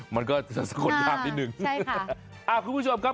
มันก็จะสะกดยากนิดนึงอ่าคุณผู้ชมครับ